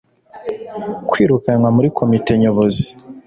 kwirukanwa muri Komite Nyobozi